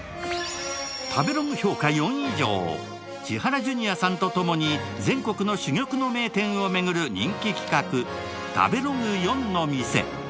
千原ジュニアさんとともに全国の珠玉の名店を巡る人気企画食べログ４の店